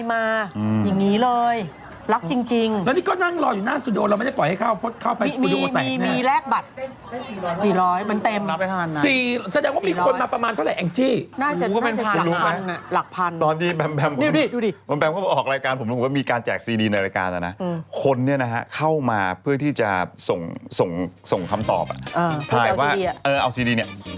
สาธารณสุขสงขาบุกบ้านพักในอำเภอหาดใหญ่